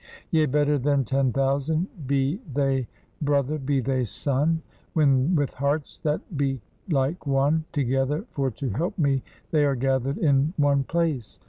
Yea, better than ten thousand, be they brother, be they son, When with hearts that beat like one. Together for to help me they are gathered in one place.